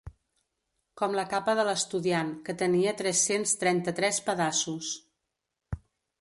Com la capa de l'estudiant, que tenia tres-cents trenta-tres pedaços.